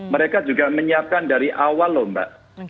mereka juga menyiapkan dari awal loh mbak